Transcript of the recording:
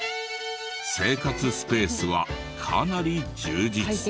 生活スペースはかなり充実。